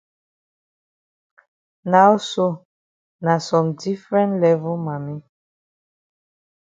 Now so na some different level mami.